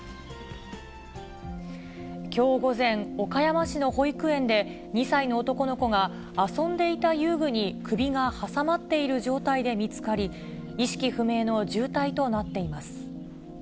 きょう午前、岡山市の保育園で２歳の男の子が遊んでいた遊具に首が挟まっている状態で見つかり、意識不明の重体となっています。